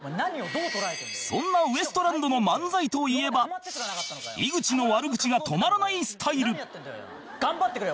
そんなウエストランドの漫才といえば井口の悪口が止まらないスタイル頑張ってくれよ！